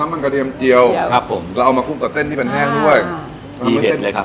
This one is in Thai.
มันมีความหอมของมันนะเนี่ย